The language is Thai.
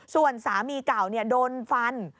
ส่วนสามีเก่าเนี่ยโดนฟัน